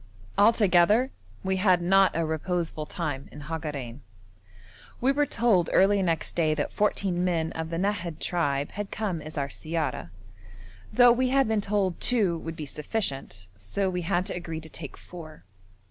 Altogether we had not a reposeful time in Hagarein. We were told early next day that fourteen men of the Nahad tribe had come as our siyara, though we had been told two would be sufficient; so we had to agree to take four.